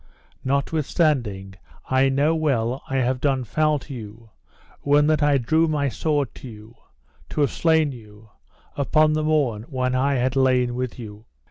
Notwithstanding I know well I have done foul to you when that I drew my sword to you, to have slain you, upon the morn when I had lain with you.